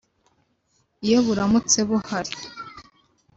iyo buramutse buhari